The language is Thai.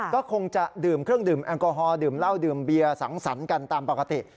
ก็คงจะดื่มเครื่องดื่มแอลกอฮอลดื่มเหล้าดื่มเบียร์สังสรรค์กันตามปกติ